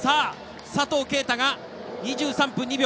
佐藤圭汰が、２３分２秒。